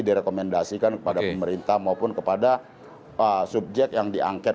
direkomendasikan kepada pemerintah maupun kepada subjek yang diangket